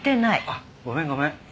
あっごめんごめん。